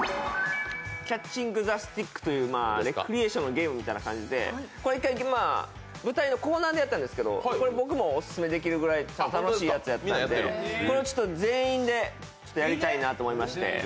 キャッチング・ザ・スティックというレクリエーションのゲームみたいな感じで、１回、舞台のコーナーでやったんですけどこれ僕もオススメできるぐらい楽しいやつやったんでこれを全員でやりたいなと思いまして。